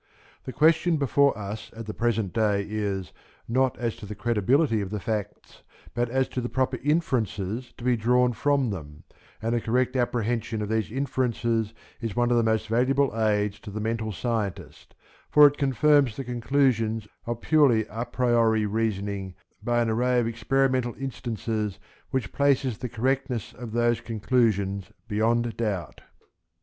The question before us at the present day is, not as to the credibility of the facts, but as to the proper inferences to be drawn from them, and a correct apprehension of these inferences is one of the most valuable aids to the mental scientist, for it confirms the conclusions of purely a priori reasoning by an array of experimental instances which places the correctness of those conclusions beyond doubt.